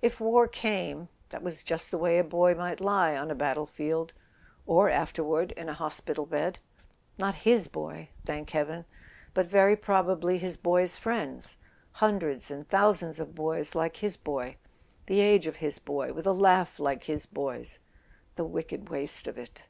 If war came, that was just the way a boy might lie on a battle field—or afterward in a hospital bed. Not his boy, thank heaven; but very probably his boy's friends: hundreds and thousands of boys like his boy, the age of his boy, with a laugh like his boy's. .. The wicked waste of it!